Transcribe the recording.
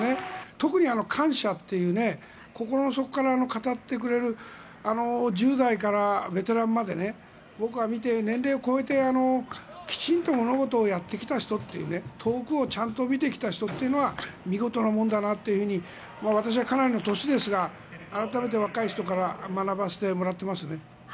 特に感謝という心の底から語ってくれる１０代からベテランまで僕は見て、年齢を超えてきちんと物事をやってきた人という遠くをちゃんと見てきた人というのは見事なもんだなって私はかなりの年ですが改めて若い人から学ばせてもらっていますね。